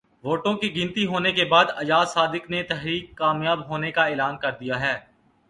ووٹوں کی گنتی ہونے کے بعد ایاز صادق نے تحریک کامیاب ہونے کا اعلان کر دیا ہے